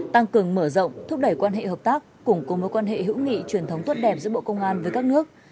tăng cường mở rộng thúc đẩy quan hệ hợp tác cùng cùng với quan hệ hữu nghị truyền thống tốt đẹp giữa bộ công an với các nước